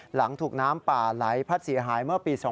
หลังถูกน้ำป่าไหลพัดเสียหายเมื่อปี๒๕๕